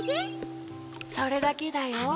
・それだけだよ。